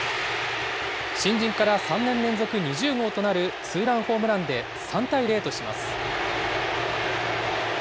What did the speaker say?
新人から３年連続２０号となるツーランホームランで３対０とします。